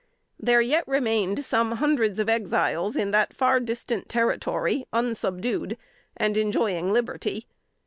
There yet remained some hundreds of Exiles in that far distant territory unsubdued, and enjoying liberty.